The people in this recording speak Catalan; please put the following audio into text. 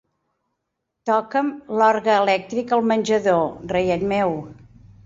Toca'm l'orgue elèctric al menjador, reiet meu.